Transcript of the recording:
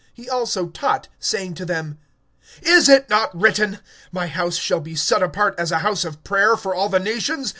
(17)And he taught, saying to them: Is it not written: My house shall be called a house of prayer for all the nations?